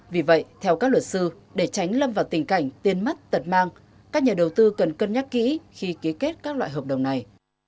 vì vậy theo các luật sư để tránh lâm vào tình cảnh tiền mất tật mang các nhà đầu tư cần cân nhắc kỹ khi ký kết các loại hợp đồng này